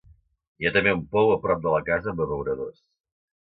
Hi ha també un pou a prop de la casa amb abeuradors.